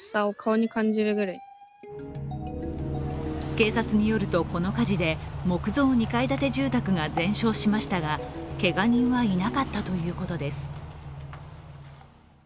警察によると、この火事で木造２階建て住宅が全焼しましたがけが人はいなかったということです。